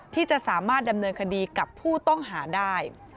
ที่จะสามารถดำเนินคดีกับผู้ต้องหาได้